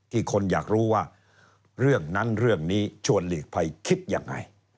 คนอยากรู้ว่าเรื่องนั้นเรื่องนี้ชวนหลีกภัยคิดยังไง